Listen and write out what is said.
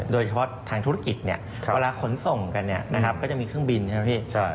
โดยเฉพาะทางธุรกิจเวลาขนส่งกันก็จะมีเครื่องบินใช่ไหมพี่